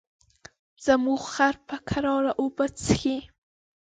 زموږ خر په کراره اوبه څښي.